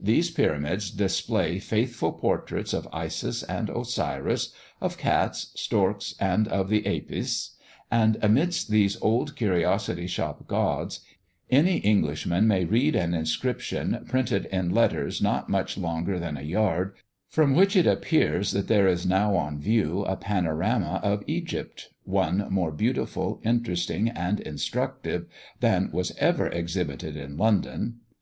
These pyramids display faithful portraits of Isis and Osiris, of cats, storks, and of the apis; and amidst these old curiosity shop gods, any Englishman may read an inscription, printed in letters not much longer than a yard, from which it appears that there is now on view a panorama of Egypt one more beautiful, interesting, and instructive than was ever exhibited in London.